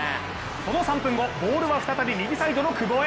その３分後、ボールは再び右サイドの久保へ。